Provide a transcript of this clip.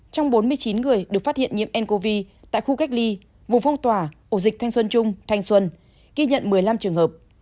trong bốn mươi chín người được phát hiện nhiễm ncov tại khu cách ly vùng phong tỏa ổ dịch thanh xuân trung thanh xuân ghi nhận một mươi năm trường hợp